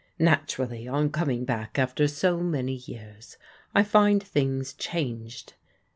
Naturally, on coming back after so many years, I find things changed.